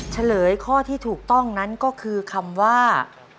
เฉลยข้อที่ถูกต้องนั้นก็คือคำว่า